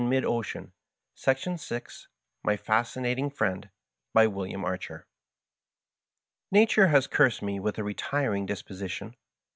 Digitized byCjOOQlC MY FASCINATING FRIEND. Bt WILLIAM ARCHEB. Natube has cursed me with a retiring disposition.